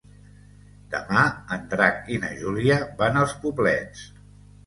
Demà en Drac i na Júlia van als Poblets.